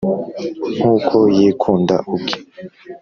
nk’uko yikunda ubwe.